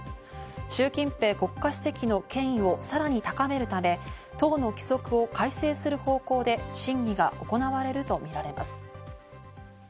シュウ・キンペイ国家主席の権威をさらに高めるため党の規則を改正する方向で審議が行われるとみられます。